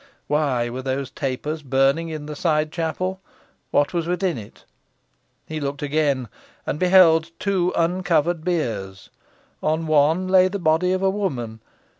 Why were those tapers burning in the side chapel? What was within it? He looked again, and beheld two uncovered biers. On one lay the body of a woman.